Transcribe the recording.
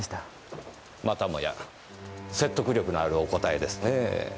またもや説得力のあるお答えですねぇ。